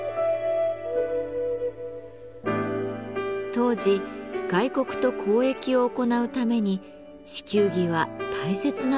当時外国と交易を行うために地球儀は大切な情報源でした。